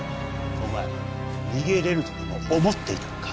お前逃げれるとでも思っていたのか？